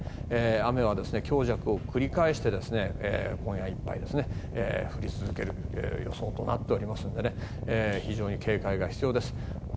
雨は強弱を繰り返して今夜いっぱい降り続ける予想となっていますので非常に警戒が必要です。